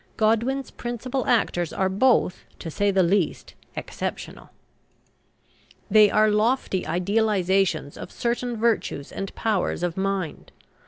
Godwin's principal actors are both, to say the least, exceptional. They are lofty idealizations of certain virtues and powers of mind.